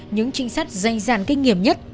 những trinh sát danh dàn kinh nghiệm nhất